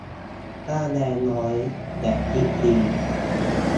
ค่าแรงน้อย แต่ทิปดี